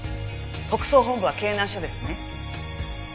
特捜本部は京南署ですね？